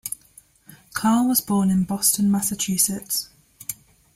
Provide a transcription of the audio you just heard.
Carr was born in Boston, Massachusetts.